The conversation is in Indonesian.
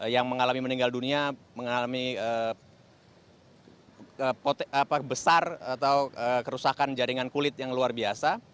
yang mengalami meninggal dunia mengalami besar atau kerusakan jaringan kulit yang luar biasa